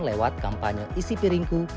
lewat kampanye isi piringku